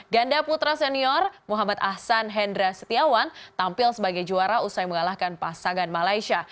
ganda putra senior muhammad ahsan hendra setiawan tampil sebagai juara usai mengalahkan pasangan malaysia